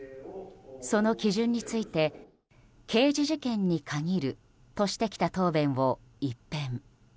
その基準について、刑事事件に限るとしてきた答弁を一変。